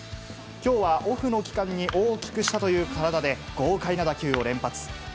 今日はオフの期間に大きくしたという体で豪快な打球を連発。